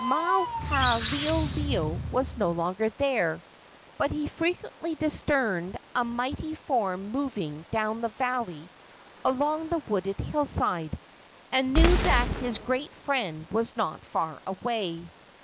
Maukaleoleo was no longer there, but he frequently discerned a mighty form moving down the valley along the wooded hillside, and knew that his great friend was not far away.